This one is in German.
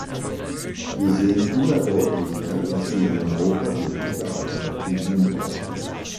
Wir sehen immer deutlicher, dass wir in Europa wirkliche Alternativen brauchen.